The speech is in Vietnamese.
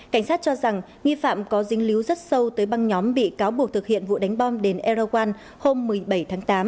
cảnh sát cho rằng nghi phạm có dinh líu rất sâu tới băng nhóm bị cáo buộc thực hiện vụ đánh bom đến aerowan hôm một mươi bảy tháng tám